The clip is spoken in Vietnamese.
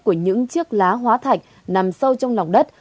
của những chiếc lá hóa thạch nằm sâu trong lòng đất